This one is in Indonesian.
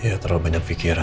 ya terlalu banyak fikiran